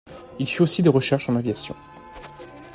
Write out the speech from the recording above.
Il fit aussi des recherches en aviation.